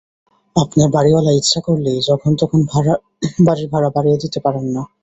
আপনার বাড়িওয়ালা ইচ্ছে করলেই যখন-তখন বাড়ির ভাড়া বাড়িয়ে দিতে পারেন না।